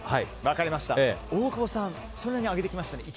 大久保さんは上げてきましたね。